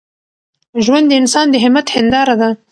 ژوند د انسان د همت هنداره ده.